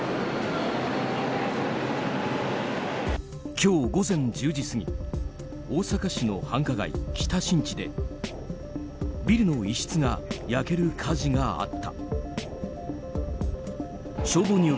今日午前１０時過ぎ大阪市の繁華街・北新地でビルの１室が焼ける火事があった。